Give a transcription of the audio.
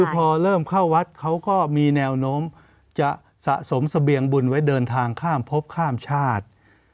พอเริ่มเข้าวัดเขาก็มีแนวโน้มจะสะสมเสบียงบุญไว้เดินทางข้ามพบข้ามชาติ